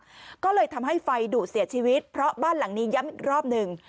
ก็เลยทำให้ไฟดุเสียชีวิตเพราะบ้านหลังนี้ย้ำอีกรอบหนึ่ง